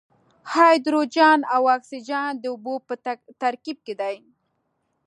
هایدروجن او اکسیجن د اوبو په ترکیب کې دي.